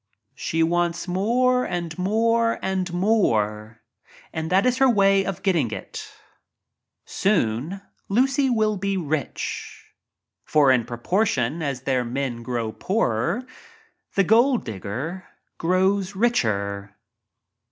She wants more and more and more. And that is her way of getting it. Soon Lucy will be for in proportion as their men grew poorer, the "gold digger" grows richer.